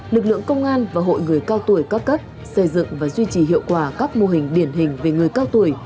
lực lượng công an và hội người cao tuổi các cấp xây dựng và duy trì hiệu quả các mô hình điển hình về người cao tuổi